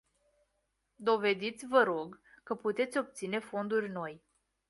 Dovediți, vă rog, că puteți obține fonduri noi.